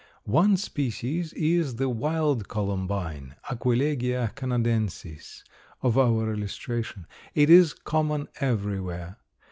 One species is the Wild Columbine (Aquilegia Canadensis) of our illustration. It is common everywhere.